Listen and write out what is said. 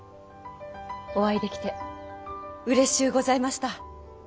お会いできてうれしゅうございました。